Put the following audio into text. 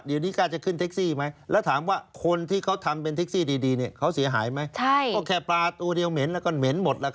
เดี๋ยวนี้กล้าจะขึ้นแท็กซี่ไหม